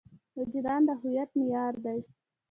وجدان د هویت معیار دی.